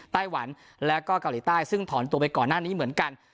ไต้หวันแล้วก็เกาหลีใต้ซึ่งถอนตัวไปก่อนหน้านี้เหมือนกัน